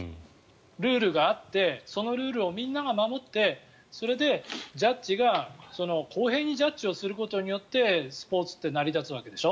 ルールがあってそのルールをみんなが守ってそれでジャッジが、公平にジャッジをすることによってスポーツって成り立つわけでしょ。